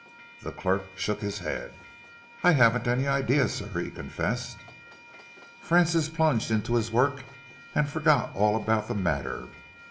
The clerk shook his head. "I haven't any idea, sir," he confessed. Francis plunged into his work and forgot all about the matter.